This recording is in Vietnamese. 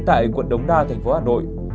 tại quận đống đa thành phố hà nội